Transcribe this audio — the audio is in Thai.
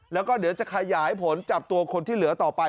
แล้วก็เดี๋ยวจะขยายผลจับตัวคนที่เหลือต่อไป